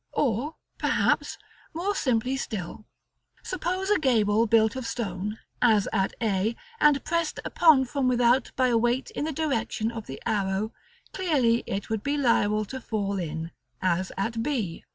Or, perhaps, more simply still: Suppose a gable built of stone, as at a, and pressed upon from without by a weight in the direction of the arrow, clearly it would be liable to fall in, as at b.